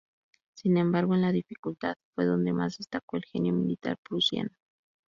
Sin embargo, en la dificultad fue donde más destacó el genio militar prusiano.